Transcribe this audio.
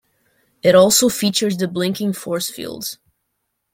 It also features the blinking forcefields.